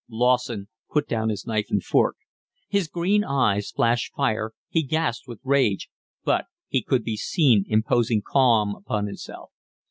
Lawson put down his knife and fork. His green eyes flashed fire, he gasped with rage; but he could be seen imposing calm upon himself.